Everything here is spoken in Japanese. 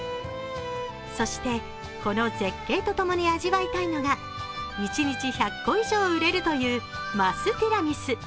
そしてこの絶景とともに味わいたいのが１日１００個以上売れるという升ティラミス。